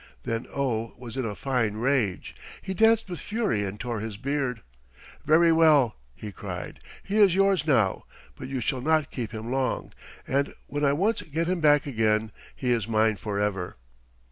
Then Oh was in a fine rage. He danced with fury and tore his beard. "Very well," he cried, "he is yours now, but you shall not keep him long, and when I once get him back again he is mine forever."